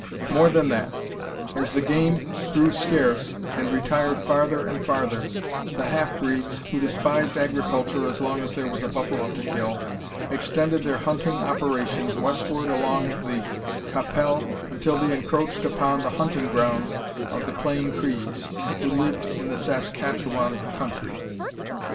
More than that; as the game grew scarce and retired farther and farther, the half breeds, who despised agriculture as long as there was a buffalo to kill, extended their hunting operations westward along the Qu'Appelle until they encroached upon the hunting grounds of the Plain Crees, who lived in the Saskatchewan country.